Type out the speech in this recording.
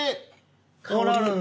こうなるんだ。